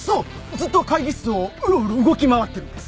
ずっと会議室をうろうろ動き回ってるんです。